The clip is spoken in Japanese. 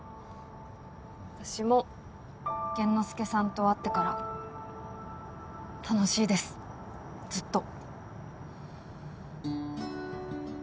私も玄之介さんと会ってから楽しいですずっと。